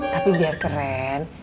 tapi biar keren